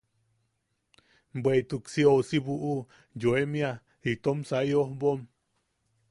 Bweʼituk si ousi buʼu u yoemia itom sai ojbom.